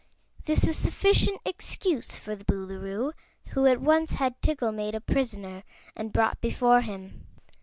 This was sufficient excuse for the Boolooroo, who at once had Tiggle made a prisoner and brought before him.